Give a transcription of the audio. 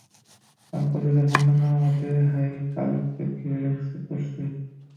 আর কথিত বর্ণনা মতে, হায়কালকে ঘিরে রেখেছে কুরসী।